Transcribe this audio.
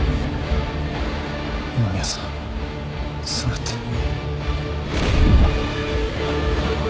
それって。